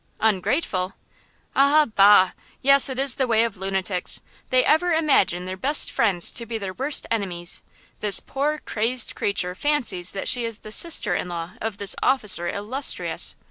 "Ungrateful!" "Ah, bah! yes; it is the way of lunatics! They ever imagine their best friends to be their worst enemies. The poor, crazed creature fancies that she is the sister in law of this officer illustrious!